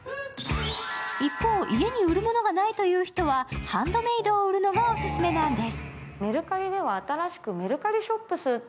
一方、家に売るものがないという人はハンドメイドを売るのがオススメなんです。